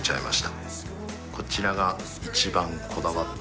こちらが一番こだわった。